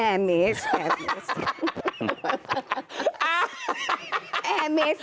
เอ้าแอร์เมส